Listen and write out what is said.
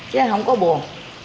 chứ không có buồn